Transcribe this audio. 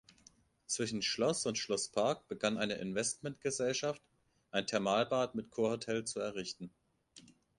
Zwischen Schloss und Schlosspark begann eine Investmentgesellschaft, ein Thermalbad mit Kurhotel zu errichten.